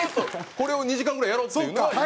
これを２時間ぐらいやろうっていうのが井森芸人。